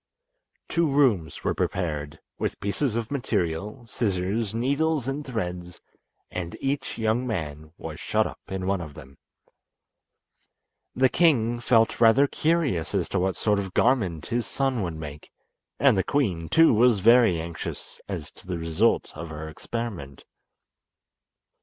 Two rooms were prepared, with pieces of material, scissors, needles and threads, and each young man was shut up in one of them. The king felt rather curious as to what sort of garment his son would make, and the queen, too, was very anxious as to the result of her experiment.